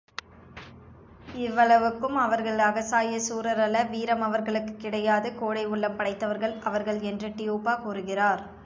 இவ்வளவுக்கும் அவர்கள் அசகாய சூரரல்ல, வீரம் அவர்களுக்குக் கிடையாது, கோழை உள்ளம் படைத்தவர்கள் அவர்கள் என்று டியூபா கூறுகிறார்.